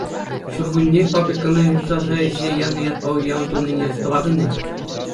Ҫуркунне фабрикӑна юсаса ӗҫе янӑ ятпа уяв тунине астӑватӑн-и?